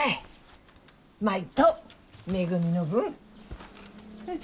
舞とめぐみの分。